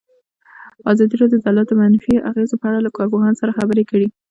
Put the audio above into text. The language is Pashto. ازادي راډیو د عدالت د منفي اغېزو په اړه له کارپوهانو سره خبرې کړي.